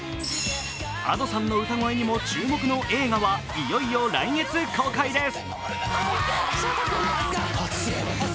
Ａｄｏさんの歌声にも注目の映画はいよいよ来月公開です。